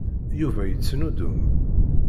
Yuba yettnudum.